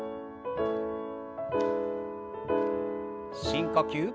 深呼吸。